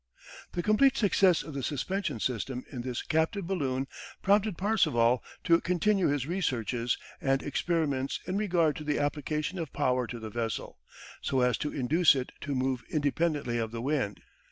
The complete success of the suspension system in this captive balloon prompted Parseval to continue his researches and experiments in regard to the application of power to the vessel, so as to induce it to move independently of the wind.